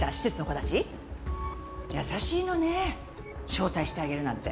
優しいのね招待してあげるなんて。